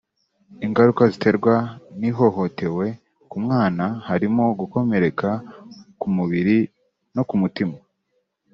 Ingaruka ziterwa n’ihohotewe ku mwana harimo gukomereka ku mubiri no ku mutima